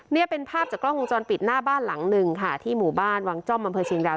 นี่เป็นภาพจากกล้องวงจรปิดหน้าบ้านหลังหนึ่งค่ะที่หมู่บ้านวังจ้อมอำเภอเชียงดาว